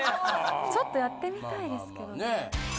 ちょっとやってみたいですけどね。